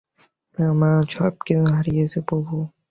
আমরা সবকিছু হারিয়েছি, প্রভু।